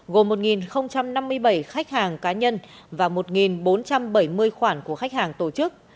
gồm một năm mươi bảy khách hàng cá nhân và một bốn trăm bảy mươi khoản của khách hàng tổ chức